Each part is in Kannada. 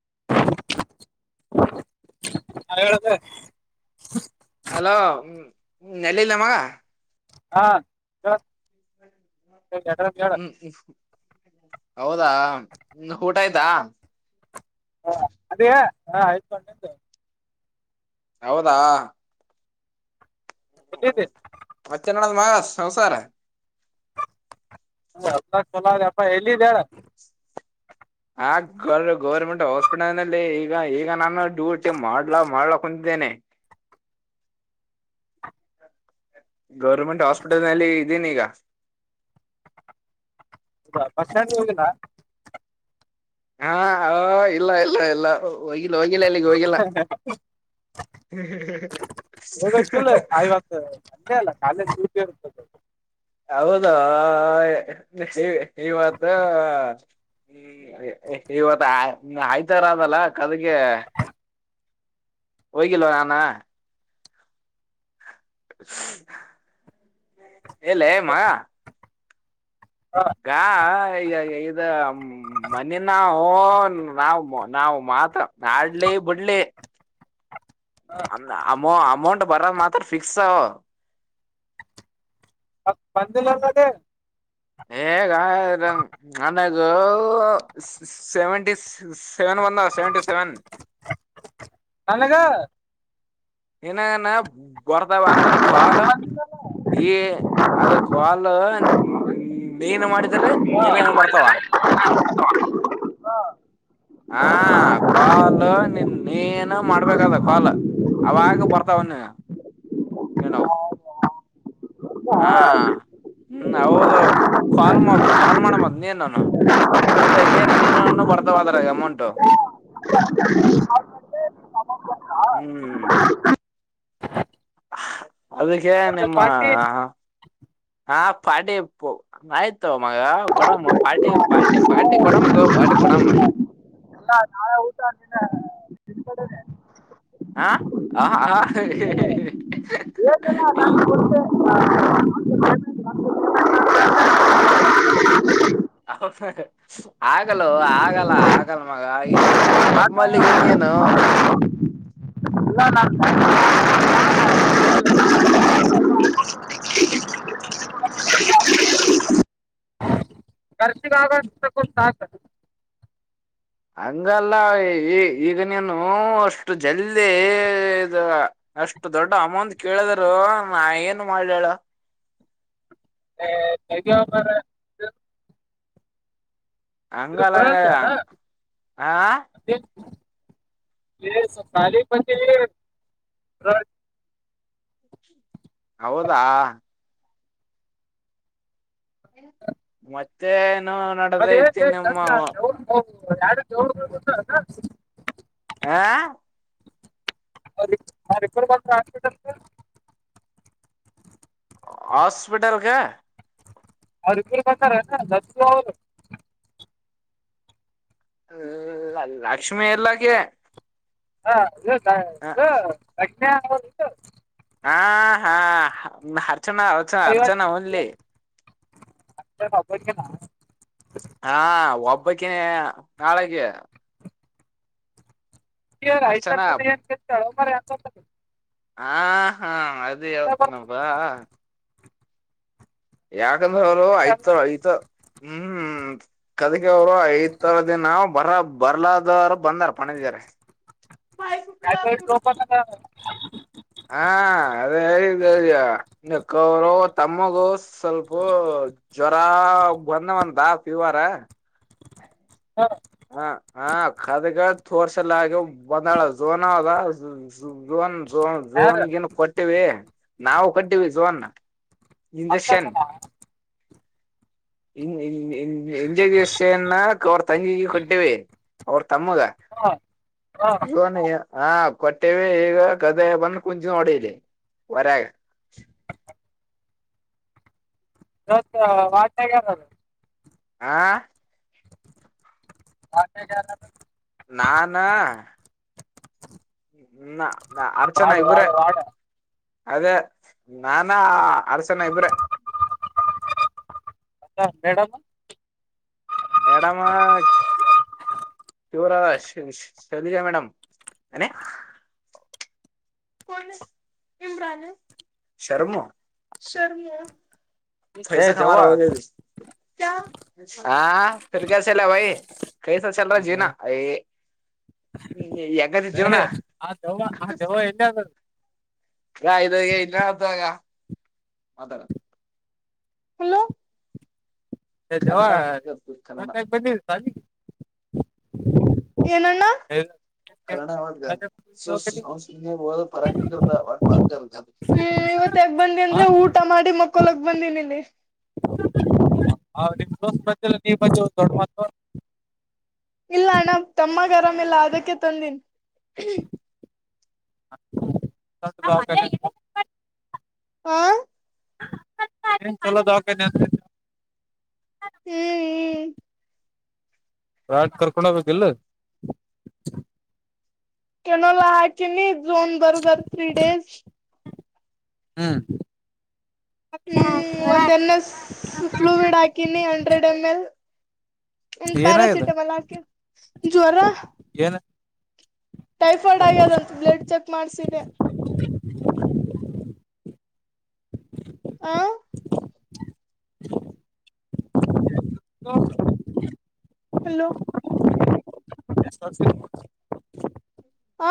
[unintelligible] [inaudible] ಹಲೋ ಎಲ್ಲಿಲ್ ಮ [unintelligible] ಹಾ [unintelligible] ಅಡ್ರೆಸ್ ಹೇಳ [unintelligible] ಹ್ಮ್ ಹೌದಾ ಊಟ ಆಯ್ತಾ ಹ ಅದ ಹಾ ಆಯತ್ಕೊಂಡ ನಿಂತು [unintelligible] ಹೌದಾ [unintelligible] [unintelligible] ಸಂಸಾರ [unintelligible] [unintelligible] ಅಪ್ಪ ಎಲ್ಲಿದ್ದ್ಯಾ [unintelligible] ಡ ಆ ಗ ಗೌರ್ಮೆಂಟ್ ಹಾಸ್ಪಿಟಲ್ ನಲ್ಲಿ ಈಗ ಈಗ ನಾನು ಡ್ಯೂಟಿ ಮಾಡ್ಲಾ ಮಾಡ್ಲಕ್ ಕುಂದ [unintelligible] ನೆ [unintelligible] ಗೌರ್ಮೆಂಟ್ ಹಾಸ್ಪಿಟಲ್ ನಲ್ಲಿ ಇದೀನಿ ಈಗ [inaudible] [unintelligible] ಹೌದಾ ಬಸ್ ಸ್ಟ್ಯಾಂಡ್ಗೆ ಹೋಗಿಲ್ಲ ಹಾ ಹೌ ಇಲ್ಲ ಇಲ್ಲ ಇಲ್ಲ ಹೋಗಿಲ್ಲ ಹೋಗಿಲ್ಲ ಎಲ್ಲಿಗೆ ಹೋಗಿಲ್ಲ. ಹೋಗಬೇಕ್ ಇಲ್ಲ ಇವತ್ತು ಹತ್ತರಲ್ಲ ಕಾಲೇಜ್ ಬ [unintelligible] ಹೌದಾ ಇವತ್ತ್ ಹ್ಮ್ ಇವತ್ತು ಆಯ್ತಾರ ಅದಲ್ಲ ಕದಗೆ ಹೋಗಿಲ ನಾನ ಎಲ್ಲೆ ಮ್ಮ ಗಾ ಈಗ ಇದ ಮ್ಮ ಮನಿನ ನಾವ್ ನಾವು ಮಾತ್ರ ಮಾಡ್ಲಿ ಬಿಡ್ಲಿ ಅ ಅಮೌ ಅಮೌಂಟ್ ಬರೊದ ಮಾತ್ರ ಫಿಕ್ಸ್ ಅ ಬಂದಿಲ್ಲ ಅಲ್ಲದೆ ಹೆ ಹಗ ನನಗೂ ಸೆವೆಂಟಿ ಸಿ ಸೆವೆನ್ ಒನ್ ಸೆವೆಂಟಿ ಸೆವೆನ್ ಅಲ್ಲಗ ಏನ್ ಏನ ಬರ್ತಾವ ಅಂದ್ರ ಕಾಲ್ ಈ ಅದ ಕಾಲು ಹ್ಮ್ ನೀನ್ ಮಾಡಿದ್ರೆ ಏನ ಏನ್ ಬರ್ತಾವ ಹಾ ಹಾ ಕಾಲು ನಿ ನೀನು ಮಾಡ್ ಮಾಡಬೇಕದ ಕಲ್ ಅವಾಗ ಬರ್ತಾವ ನೀ ನೀನವು ಹಾ [unintelligible] ಹ್ಮ್ ಹೌದ್ ಕಾಲ್ ಕಾಲ್ ಮಾಡ್ ನಾನು ಅದಕೇನ್ ನೀನು ಬರ್ತಾವ ಅದ್ರಗ ಅಮೌಂಟು ನಾ [unintelligible] ಹ್ ಅದಕ್ಕೆ ಮತ್ತೆ ನಿಮ್ಮ ಪಾರ್ಟಿ ಹಾ ಪಾರ್ಟಿ ಪು ಆಯ್ತು ಮಗ ಕೊಡಂಬ ಪಾರ್ಟಿ ಪಾರ್ಟಿ ಪಾರ್ಟಿ ಕೊಡಮ್ದು ಪಾರ್ಟ್ ಕೊಡಾಮ ಎಲ್ಲಾ ನಾಳೆ ಊಟಕ ತಿನ್ನಕೊಡನಿ ಹಾ ಆ ಹೆ ಹಿ ಹಿ ಏನೆನೊ ನಾನ್ ಕೊ [unintelligible] [unintelligible] ಹೌದೊ ಆಗೊಲ್ಲ ಆಗಲ್ಲ ಆಗಲ್ ಮಗ ಈ ಒಮ್ಮಲ್ಲಿ ಏನ್ ನೀನು ಇಲ್ಲ [unintelligible] ಹ್ಮ [unintelligible] [unintelligible] ಖರ್ಚಿಗಾಗಷ್ಟು ಕೊಡ್ ಸಾಕ್ ಹಂಗಲ್ಲ ಈಗ ನೀನು ಅಷ್ಟು ಜಲ್ದಿ ಇದ್ ಅಷ್ಟು ದೊಡ್ಡ ಅಮೌಂಟ್ ಕೇಳಿದರು ನಾ ಏನು ಮಾಡಲೆಳ್ ಹೆ ತಗಿಯೊ ಅಗ್ಯಾರೆ ತ ಹಂಗಲ್ಲ ಪರ [unintelligible] ಹಾ ಎ ಸಪಾಲಿ ಕುಂತಿ ರ್ ಹೌದಾ ಮತ್ತೆ ಅದೇ ಯಾರ [unintelligible] ಆ ಅವರಿಬ್ಬರ್ ಬಂದ್ರಾ ಹಾಸ್ಪಿಟಲ್ ಗ ಹಾಸ್ಪಿಟಲ್ ಗ ಅವರು ಇಬ್ಬರು ಬಂದಾರೆನ ಲಕ್ಷ್ಮಿವರು ಹ್ಮ ಅಲ್ಲ ಲಕ್ಷ್ಮಿ ಎಲ್ಲಕ ಹಾ ಇದು ಇದು ಕಟ್ನ ಆದು ಹಾ ಹಾ ಅರ್ಚನಾ ಅರ್ಚನಾ ಅರ್ಚನಾ ಹನ್ಲಿ ಅ ಬಪಕನಾ ಹಾ ಒಬ್ಬಕ ನಾಳೆಗೆ ರಾಯಚರ್ ಅರ್ಚನಾ ಏ ಚಳಂತ ಹಾ ಹಾ ಅದು ಯಾವತ್ತನಬ ಯಾಕಂದ್ರ ಅವರು ಐ್ ತ ಐತ ಹ್ಮ್ ಕದಗ ಅವರು ಐ್ ತರ ದಿನ ಬರ ಬರ್ಲಾದವರು ಬಂದಾರ ಪಂಡದಾರ [unintelligible] ಯಕ ತಪ ಹಾ ಅದೇ ಹೇಳಿದ್ದ್ಯಕ್ಕ ಅವರು ತಮ್ಮಗೂ ಸ್ವಲ್ಪ ಜ್ವರ ಬಂದವಂತ ಪವಾರ ಹ ಹ ಕದಗ ತೋರ್ಸಲ್ಲ ಆಗ ಬಂದಾಳ ಝೋನ್ ಅದೋನ್ ಝೋನ್ ಯಾರು ಝೋನ್ಗಿನ್ ಕೊಟ್ಟಿವ ನಾವು ಕೊಟ್ಟಿವವಿ ಝೋನ್ ಹತ್ತಿನ [unintelligible] ಎಜ್ೇ ಅವರ ತಂಗಿ ಕಟ್ಟವೇನ್ ಅವ್ರ ಹಾಂ ತಮ್ಮಗನ ಹಾ ಕೊಟ್ಟೇವಿ ಈಗ ಗದೆ ಬಂದು ಕುಂಚಿ ನೋಡಿಲಿ ಹೊರಗೆ ದಸ್ ವಗ ಆಾ ಆತ ಜ ನಾನಾ ್ಮ ಅರ್ಚನಾ ವಾರ್ಡ್ ಇಬರ ವಾರ್ಡ್ ವಾರ್ಡ್ ಅದೇ ನಾನಾ ಅರಸನ ಇಬ್ರೆ ಅ ಮೇಡಮ್ ಮೇಡಾಮ ಶರ ಶಲಿಜ ಮೇಡಮ ಇಮ್ರಾನ ಶರ್ಮಾ ಶರ್ಮ ಏ ಪೈಸ ದೆವ್ವ ಕಮಾರ ಹೋಗ ಹಾ ಕಸೆಲ್ಲ ಭ ಕೈಸ ಚಲ್ರ ಏ ಜೀನಾ ಯ ಎ ಕಾದ ಜವನಾ ಆ ದೆವ್ವ ಆ ದೆವ್ವ ಎಲ್ಲಿ ಅದ ಹ ಇದ ಇನ್ನ ಹತಾಗ ಮಾತಾಡ ಹಲೋ ಜವ ಕನ್ನಡ ಮಾತಾಡ್ತೀವಿ ನ ಕನ್ನಡ ಕ ಬನ ಸಾಲ ಏನ್ಣ ಕಣಾರ ಸ ಸಾಲಿ ಸಂಸ್ಕೃ ಪರಂಗತಾರ ಇವತ್ತಾಗ ಬಂದಿ ಹಾ ಅಂದ್ರೆ ಊಟ ಮಾಡಿ ಮಕ್ಕೊಲಗ್ ಬಂದಿಲ್ಲಿ ನೀ ಮೆ ದೊಡ್ ಮತ್ ಇಲ್ಲ ಅಣ್ಣ ತಮ್ಮಗೆ ಆರಾಮಿಲ್ಲ ಅದಕ್ಕೆ ತಂದೀನ್ಿ [inaudible] ಹಾ ಚಲೋ ದವಕ ನ ಹ್ಮ್ ಹ್ಮ್ ರಾಟ್ ಕರ್ಕೊಂಡೋಗಬೇಕಿಲ್ ಕೆನೋಲ ಹಕ ನೀ ಜಝೋನ್ ಬರ್ಗರ್ ತ್ರ್ರೀ ಡೇಸ್ ಹ್ಮ್ ಹ್ಮ್ ಒಂದ್ ಎಂ ಎಸ್ ಫ್ಲೂವಿಡ್ ಹಾಕಿನಿ ಹಂಡ್ರೆಡ್ ಎಮ್ ಎಲ್ ಏನಾಗಿದೆ ಪ್ಯಾರಾಸಿಟಮಲ್ ಹಾಕೆ ಜ್ವರ ಹ ಟೈಫಾಯ್ಡ್ ಆಗ್ಯದಂತ ಬ್ಲಡ್ ಚೆಕ್ ಮಾಡ್ಸಿದೆ ಆ ಹ್ಮ ಹಲೋ ಎಷ್ಟ ಆ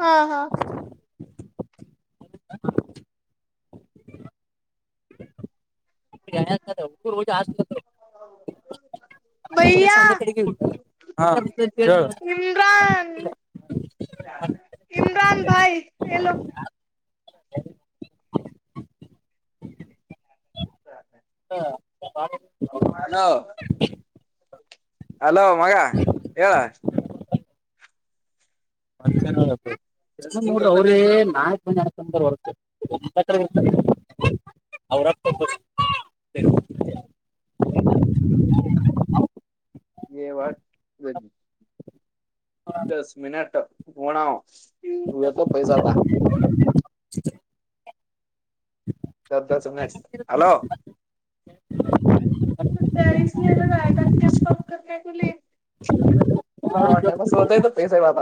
ಹಾ ಹಾ [unintelligible] ಹ ಭೈಯಾ ಇಮ್ರಾನ್ ಇಮ್ರಾನ್ ಬಾಯ್ ಎಲೋ [inaudible] ಹಾ ಅಲೋ ಮಗ ಹೇಳ [inaudible] [inaudible] ಎ ಅವ್ರೇ ನಾಲ್ಕು ಮ ನಕಂದ ಹೊರ್ತತ್ರ ಇರ್ತ [unintelligible] [inaudible] [unintelligible] ದಸ್ ಮಿನಟ್ ಗಣ [inaudible] ಹಲೋ [unintelligible] ಟಮಸ್ ಬೋತ್ತ ಪೈಸೆ ಬಾಗ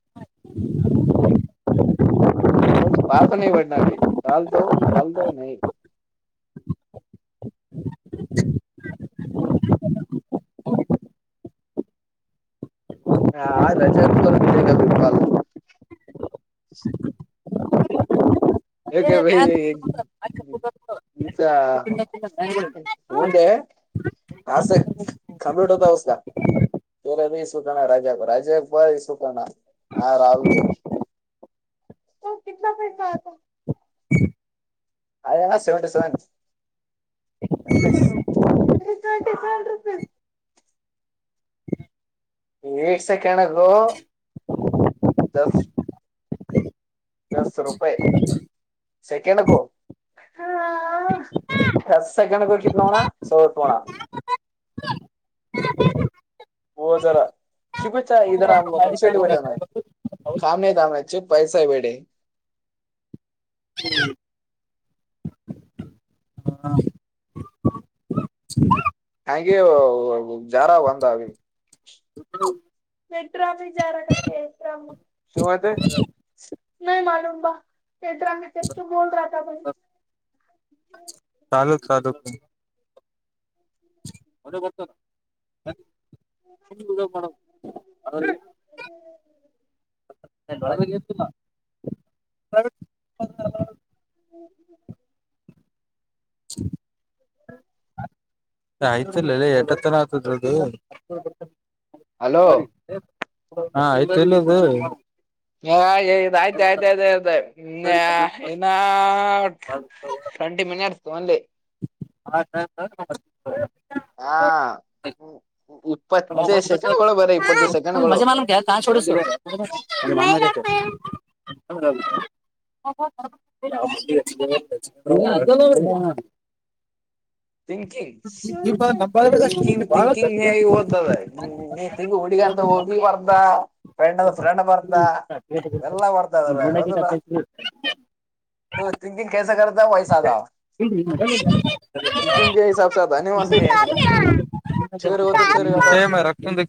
[inaudible] ಬ ಪಾಲತ ನೀ ಬಡ್ನಾ ಅಭ ಪಾಲತ ಪಾಲತ ನೀ ಹಾ ರಜಾಕೂ ಕೊತಗ ಕಲ್ [unintelligible] ಏ, ಬ್ಯಾಗ್ ತಗೊಂಡ್ಬಾ. ಹಾಕಿ ಕುಡ್ದು ಹೋಗ್ಬಿಡು. ತಿನ್ನಕ್ಕೆ ಇಲ್ಲ, ಬ್ಯಾಗ್ಗಳು. ನ್ ಆಯ್ತು, ಹಾಸ ನಾನು ಕಂಪ್ಯೂಟತ ಉಸ್ ತಲ್ಲ ನೀ ಸುಕಣ ರಾಜಾ ರಾಜಾ ಭ ಸುಕಣ ಹಾ ರಾವದು [unintelligible] ಆಯ ಸೆವೆನ್ಟು ಸೆವೆನ್ [unintelligible] ಎಕ ಸೆಕೆಂಡಗ ದಸ್ ದಸ್ ರೂಪೆ ಸೆಕೆಂಡ ಕ [unintelligible] [unintelligible] [inaudible] [unintelligible] ಕಾಮೇದ ಅಮಚು ಪೈಸಾ ವಡಿ ಹ್ಮ ಹಾಗಗೆ ಜಾರಾ ಒಂದ [unintelligible] [unintelligible] [unintelligible] ಚಾಲು ಚಾಲೂ [unintelligible] [unintelligible] ಳ [unintelligible] ಹ್ಮ್ ಹ್ಮ [unintelligible] ಆಯ್ತಲ್ಲಲ್ಲ ಎಟತ್ತನ ಆಗ್ತದ್ರದು ಹಲೋ ಹಾ ಆಯ್ತು ಎಲ್ಲದು ಹ ಆಯ್ತ ಆಯ್ತ ಆಯ್ತ ಹ ಟ್ವೆಂಟಿ ಮಿನಿಸ್ ಅಲ್ಲಿ ಆಯತಯ್ತ ಹಾ ಇಪ್ಪತ್ತೇ ಸೆಕೆಂಡ್ಗಳು ಬರೀ ಇಪ್ಪತ್ತು ಸೆಕೆಂಡ್ಗಳು ಮಜೆ ಮಾಲ ಕ ಕ ೋಡ ಸ ಹೌ ಹ ಥಿಂಕಿಂಗ್ ತಿಂಕಿಂಗ್ ಹ್ಮ್. ತಿಂಕಿಂಗ್ ಹೇಗ ಓದತದ ನೀಿ ಹುಡಿಗ ಅಂತ ಹ ಬರ್ ೆಂಡ ಫ್ರೆಂಡ್ ಬರ್ದ ಎಲ್ಲ ಬರ್ದ ಅದ್ರ ಯಾವದಲ್ ಥಿಂಕಿಂಗ ಕಸೆ ಕತ ವಹ ಸಾಾದ [unintelligible] ಟೀಚಿಂಗ್ ಹಿಸಬ್ ಸಾ ಧನ್ ಮಸ್ಏನು ಚೇರಿವತ ಚೇರಿ ಸೇಮ್ ರಕ್ತಂದ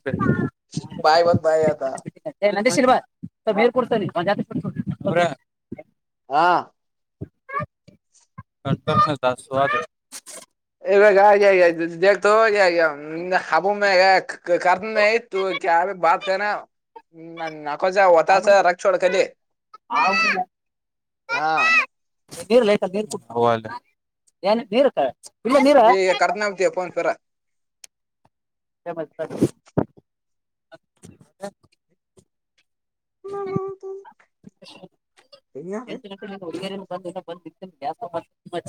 ಭಾಯ ಮಂದ ಬಾಯ ಅತ ನಂದೆ ಶಿಲ್ವ ಬೇರ್ ಕೊಡ್ತ ಒಂದ ಜಾ ಹಾ ಕ ದದು ಇ ಬತ ಹಬ್ಬ ಕರ್ ಇತ್ತುು ಬತ ಕ ನಕೋ ಜ ಹೊತಾಸ ರಕ್ಕ್ಷೋಡಕೆ ಹ ಹಾ ನೀರ್ಲ್ಲಯ್ತ ನೀರ್ ಏನ್ ನೀರು ನೀಗ ಕರ್ತನ್ತೀಯಪ್ಪೋನ್ಸರ ಮ ಹ ನ ಎಂಟು [unintelligible] ಗ್ಯಾಸ್